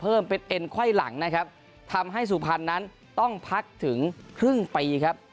เพิ่มเป็นเอ็นไขว้หลังนะครับทำให้สุพรรณนั้นต้องพักถึงครึ่งปีครับ